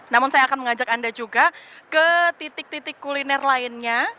namun saya akan mengajak anda juga ke titik titik kuliner lainnya